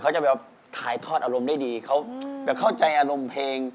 จะแบบถ่ายทอดอารมณ์ได้ดีเขาแบบเข้าใจอารมณ์เพลง